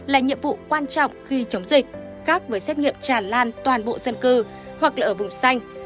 là nhiệm vụ quan trọng khi chống dịch khác với xét nghiệm tràn lan toàn bộ dân cư hoặc là ở vùng xanh